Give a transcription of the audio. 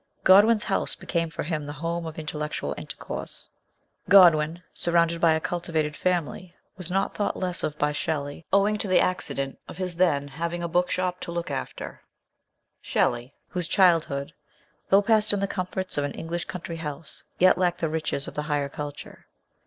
Godwin's house became for him the home of intellectual intercourse. Godwin, surrounded by a cultivated family, was not thought less of by Shelley, owing to the accident of his then having a book shop to look after Shelley, whose childhood, though passed in the comforts of an English country house, yet lacked the riches of the higher culture.